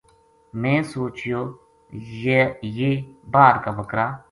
میں سوچیو یہ باہر کا بکر ا